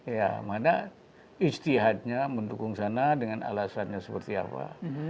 ya mana istihadnya mendukung sana dengan alasannya seperti apa